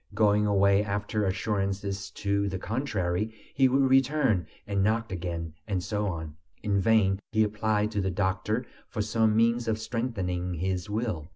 Going away after assurances to the contrary, he would return and knock again, and so on. In vain he applied to the doctor for some means of strengthening his will.